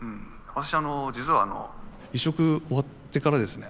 私実は移植終わってからですね